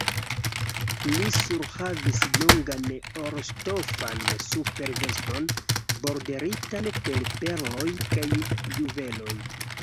Li surhavis longan orŝtofan superveston, borderitan per perloj kaj juveloj.